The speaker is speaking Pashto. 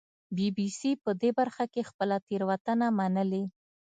بي بي سي په دې برخه کې خپله تېروتنه منلې